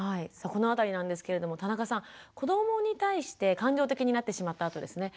この辺りなんですけれども田中さん子どもに対して感情的になってしまったあとですね